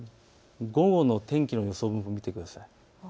午後の天気の予想分布を見てください。